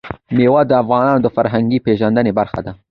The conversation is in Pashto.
مېوې د افغانانو د فرهنګي پیژندنې برخه ده.